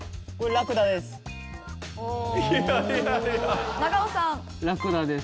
ラクダです。